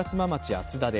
厚田で